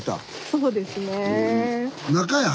そうですね。